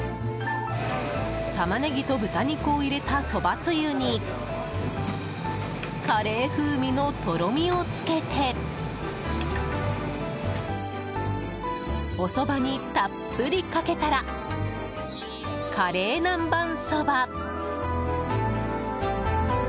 タマネギと豚肉を入れたそばつゆにカレー風味のとろみをつけておそばにたっぷりかけたらカレーなんばんそば。